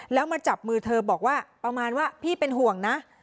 แล้วมาจับมือเธอบอกว่าประมาณว่าพี่เป็นห่วงนะ